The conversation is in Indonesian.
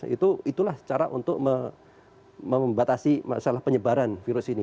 itulah cara untuk membatasi masalah penyebaran virus ini